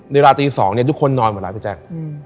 ในลาตีสองเนี่ยทุกคนนอนมาแล้วตาย